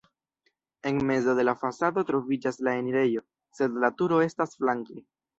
En mezo de la fasado troviĝas la enirejo, sed la turo estas flanke.